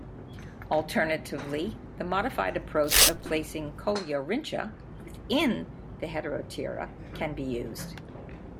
Alternatively, the modified approach of placing Coleorrhyncha 'within' the Heteroptera can be used.